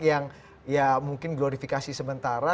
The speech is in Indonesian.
yang ya mungkin glorifikasi sementara